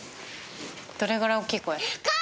どれぐらい大きい声？